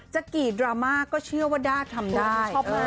จะกี่ดราม่าก็เชื่อว่าด้าทำได้